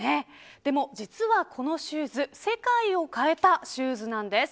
でも実は、このシューズ世界を変えたシューズなんです。